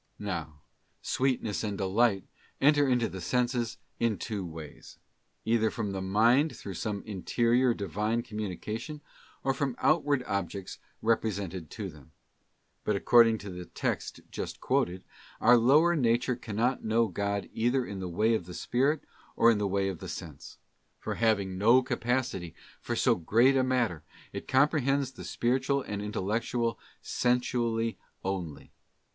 '* Now, sweetness and delight enter into the senses in two ways : either from the mind through some interior Divine com munication, or from outward objects represented to them. But according to the text just quoted, our lower nature can not know God either in the way of the spirit or in the way of sense ; for having no capacity for so great a matter, it com prehends the spiritual and intellectual, sensually only.